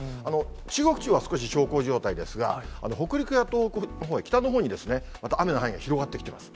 中国地方は少し小康状態ですが、北陸や東北のほうへ、北のほうにまた雨の範囲が広がってきています。